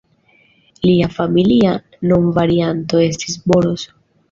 Lia familia nomvarianto estis "Boros".